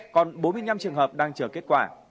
còn bốn mươi năm trường hợp đang chờ kết quả